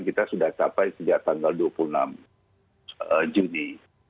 kita sudah capai sejak tanggal dua puluh enam juni dua ribu dua puluh satu